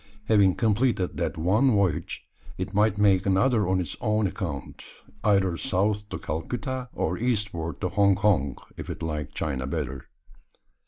Having completed that one voyage, it might make another on its own account either south to Calcutta or eastward to Hong Kong, if it liked China better.